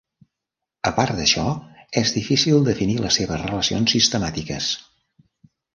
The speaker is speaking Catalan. A part d'això, és difícil definir les seves relacions sistemàtiques.